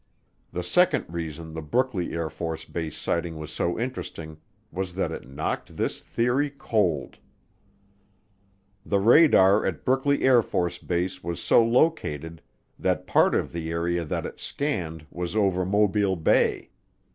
The second reason the Brookley AFB sighting was so interesting was that it knocked this theory cold. The radar at Brookley AFB was so located that part of the area that it scanned was over Mobile Bay.